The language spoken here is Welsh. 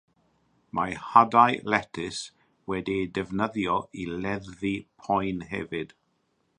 Mae hadau letys wedi'i defnyddio i leddfu poen hefyd.